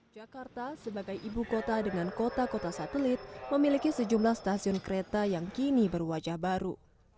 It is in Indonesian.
jakarta sebagai ibu kota dengan kota kota satelit memiliki sejumlah stasiun kereta yang kini berwajah baru